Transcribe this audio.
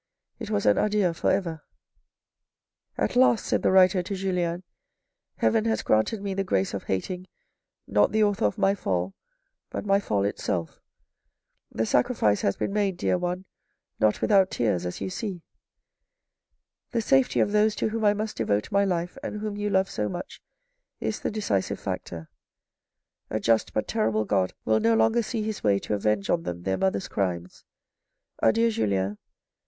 It was an adieu for ever. " At THE WORLD, OR WHAT THE RICH LACK 185 last," said the writer to Julien, " Heaven has granted me the grace of hating, not the author of my fall, but my fall itself. The sacrifice has been made, dear one, not without tears as you see. The safety of those to whom I must devote my life, and whom you love so much, is the decisive factor. A just but terrible God will no longer see His way to avenge on them their mother's crimes. Adieu, Julien.